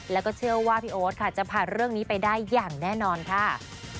แล้วก็เชื่อว่าพี่โอ๊ตค่ะจะผ่านเรื่องนี้ไปได้อย่างแน่นอนค่ะ